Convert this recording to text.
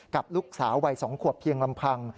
กับลูกสาววัย๒ขวบเพียงลำพัง